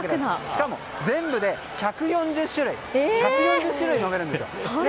しかも全部で１４０種類飲めるんですよ。